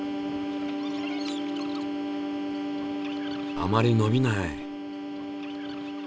あまりのびない。